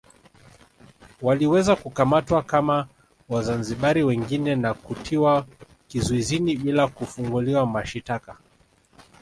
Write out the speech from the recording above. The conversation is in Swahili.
Waliweza kukamatwa kama Wazanzibari wengine na kutiwa kizuizini bila kufunguliwa mashitaka